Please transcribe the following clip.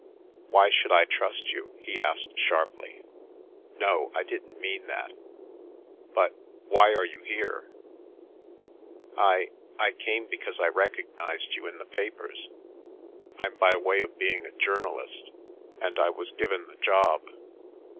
" Why should I trust you ?" he asked sharply. " No, I didn't mean that. But — why are you here ?"" I — I came because I recognised you in the papers. I'm by way of being a journalist, and I was given the job.